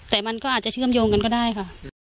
แต่มันก็อาจจะเชื่อมโยงกันก็ได้ค่ะ